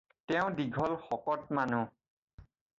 তেওঁ দীঘল শকত মানুহ।